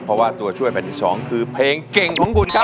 เพราะว่าตัวช่วยแผ่นที่๒คือเพลงเก่งของคุณครับ